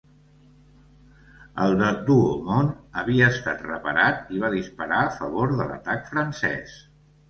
El de Douaumont havia estat reparat i va disparar a favor de l'atac francès.